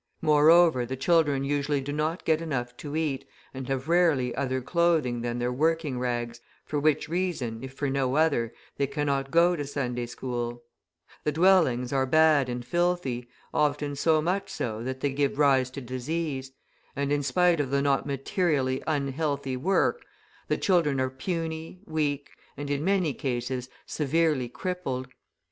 Moreover, the children usually do not get enough to eat, and have rarely other clothing than their working rags, for which reason, if for no other, they cannot go to Sunday school The dwellings are bad and filthy, often so much so that they give rise to disease; and in spite of the not materially unhealthy work, the children are puny, weak, and, in many cases, severely crippled.